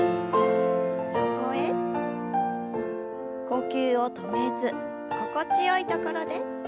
呼吸を止めず心地よいところで。